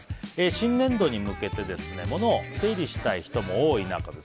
新年度に向けて物を整理したい人も多い中